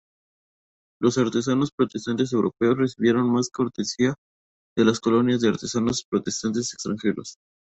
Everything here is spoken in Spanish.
Los artesanos protestantes europeos recibieron más cortesía que las colonias de artesanos protestantes extranjeros.